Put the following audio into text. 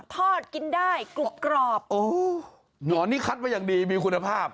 ทอดกินได้กรุบกรอบโอ้หนอนนี่คัดมาอย่างดีมีคุณภาพ